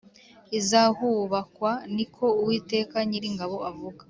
izahubakwa ni ko Uwiteka Nyiringabo avuga